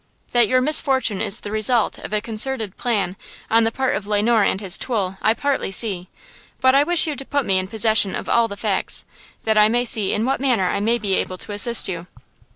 That your misfortune is the result of a concerted plan on the part of Le Noir and his tool, I partly see, but I wish you to put me in possession of all the facts, that I may see in what manner I may be able to assist you."